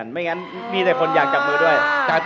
ไม่งั้นมีแต่คนอยากจับมือด้วย